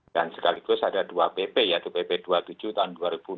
dan sekaligus ada dua bp yaitu bp dua puluh tujuh tahun dua ribu enam